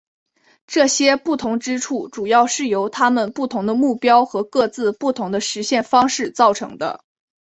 这些不同之处主要是由他们不同的目标和各自不同的实现方式造成的。